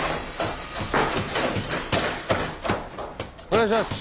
お願いします。